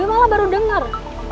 gue malah baru denger